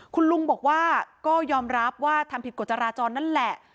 คุณลุงบอกว่าก็ยอมรับว่าทำผิดกฎจราจรนั่นแหละ